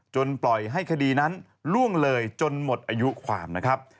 ปล่อยให้คดีนั้นล่วงเลยจนหมดอายุความนะครับ